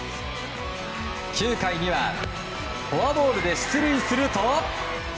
９回にはフォアボールで出塁すると。